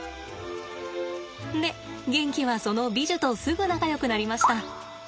でゲンキはそのビジュとすぐ仲よくなりました。